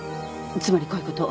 つまりこういうこと。